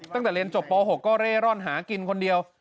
ตั้งแต่เรียนจบป๖ก็เร่ร่อนหากินคนเดียว